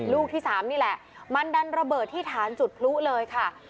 ลูกที่๓นี่แหละมันดันระเบิดที่ฐานจุดพลุเลยค่ะ